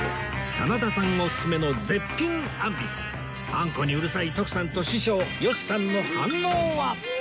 あんこにうるさい徳さんと師匠吉さんの反応は？